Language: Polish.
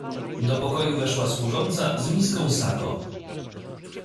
Do pokoju weszła służąca z miską sago.